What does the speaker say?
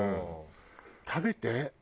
食べて。